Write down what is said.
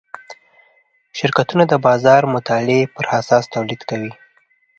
شرکتونه د بازار د مطالعې پراساس تولید کوي.